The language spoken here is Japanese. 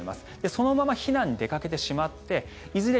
そのまま避難に出かけてしまっていずれ